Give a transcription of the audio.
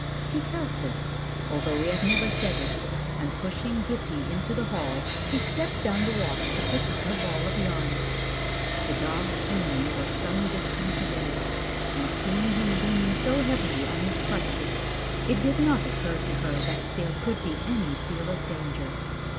She felt this, although he had never said it, and pushing Gippie into the hall, she stepped down the walk to pick up her ball of yarn. The dog's enemy was some distance away, and seeing him leaning so heavily on his crutches, it did not occur to her that there could be any fear of danger.